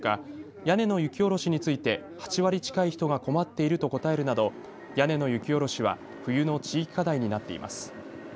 屋根の雪下ろしについて８割近い人が困っていると答えるなど屋根の雪下ろしは冬の地域課題になっています。